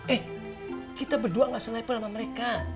eh kita berdua gak se level sama mereka